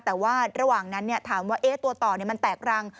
แต่ว่าระหว่างนั้นถามว่าตัวต่อมันแตกรัง